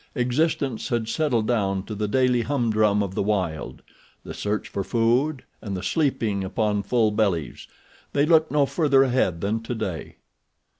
Existence had settled down to the daily humdrum of the wild—the search for food and the sleeping upon full bellies. They looked no further ahead than today.